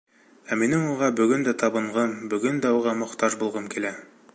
Ә минең уға бөгөн дә табынғым, бөгөн дә уға мохтаж булғым килә.